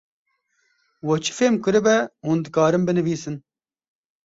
We çi fêm kiribe hûn dikarin binivîsin.